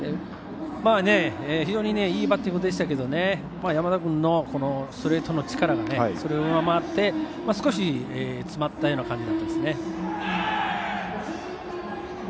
非常にいいバッティングでしたけど山田君のストレートの力がそれを上回って少し詰まったような感じでしたね。